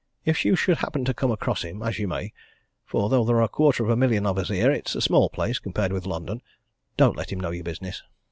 If you should happen to come across him as you may, for though there are a quarter of a million of us here, it's a small place, compared with London don't let him know your business."